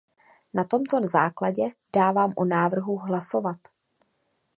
Na tomto základě dávám o návrhu hlasovat.